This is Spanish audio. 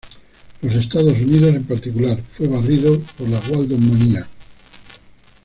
Los Estados Unidos, en particular, fue barrido por la "Waldo-manía".